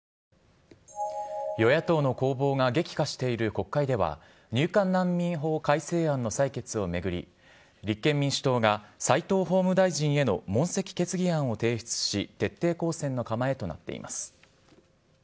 与野党の攻防が激化している国会では、入管難民法改正案の採決を巡り、立憲民主党が斎藤法務大臣への問責決議案を提出し、徹底抗戦の構えとなっています。